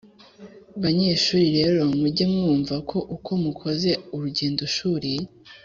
banyeshuri rero muge mwumva ko uko mukoze urugendoshuri,